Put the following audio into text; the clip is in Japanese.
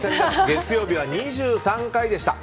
月曜日は２３回でした。